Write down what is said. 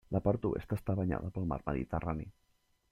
La part oest està banyada pel Mar Mediterrani.